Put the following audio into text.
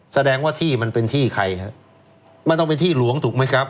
แสดงว่าที่มันเป็นที่ใครฮะมันต้องเป็นที่หลวงถูกไหมครับ